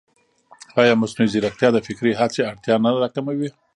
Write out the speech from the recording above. ایا مصنوعي ځیرکتیا د فکري هڅې اړتیا نه راکموي؟